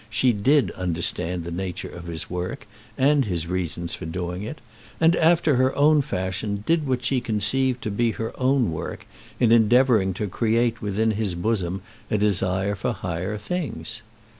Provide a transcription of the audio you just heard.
She did understand the nature of his work and his reasons for doing it; and, after her own fashion, did what she conceived to be her own work in endeavouring to create within his bosom a desire for higher things.